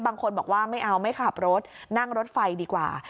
บางคนบอกว่าไม่เอาไม่ขับรถนั่งรถไฟดีกว่า